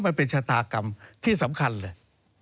มันเป็นชะตากรรมที่สำคัญเลย